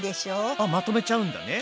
あっまとめちゃうんだね。